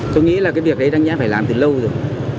tôi nghĩ là cái việc đấy đang nhãn phải làm từ lâu rồi